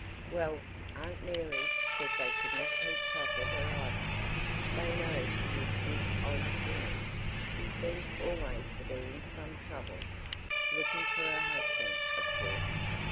"Well, Aunt Mary said they could not keep track of her either. They know she is a good honest woman, who seems always to be in some trouble looking for her husband, of course.